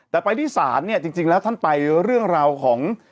แต่ไปที่ศาลเนี่ยจริงแล้วท่านไปเรื่องราวของ